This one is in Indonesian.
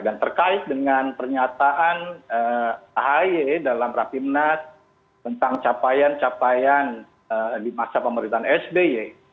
dan terkait dengan pernyataan ahi dalam rapi menat tentang capaian capaian di masa pemerintahan sby